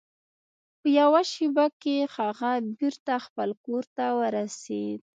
په یوه شیبه کې هغه بیرته خپل کور ته ورسید.